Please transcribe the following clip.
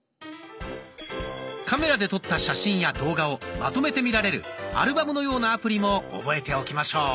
カメラで撮った写真や動画をまとめて見られるアルバムのようなアプリも覚えておきましょう。